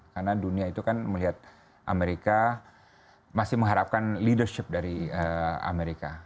karena dunia itu kan melihat amerika masih mengharapkan leadership dari amerika